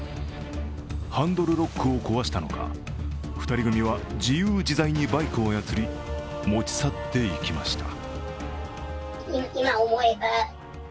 ハンドルロックを壊したのか、２人組は自由自在にバイクを操り持ち去っていきました。